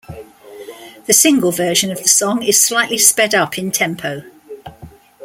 The single version of the song is slightly sped up in tempo.